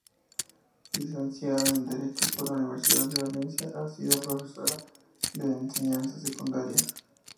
Licenciada en Derecho por la Universidad de Valencia, ha sido profesora de Enseñanza Secundaria.